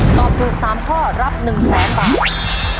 ตอบถูกสามข้อรับหนึ่งแสนบาท